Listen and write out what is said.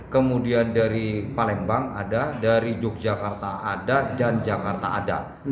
kemudian dari palembang ada dari yogyakarta ada dan jakarta ada